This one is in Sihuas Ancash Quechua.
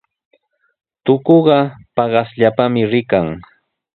Tukuqa paqasllapami rikan.